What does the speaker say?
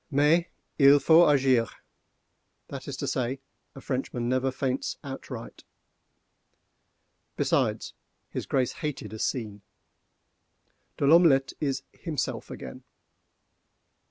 _ Mais il faut agir—that is to say, a Frenchman never faints outright. Besides, his Grace hated a scene—De L'Omelette is himself again.